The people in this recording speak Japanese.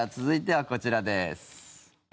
続いてはこちらです。